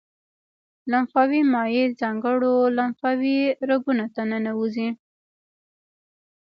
لمفاوي مایع ځانګړو لمفاوي رګونو ته ننوزي.